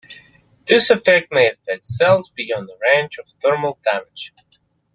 This effect may affect cells beyond the range of thermal damage.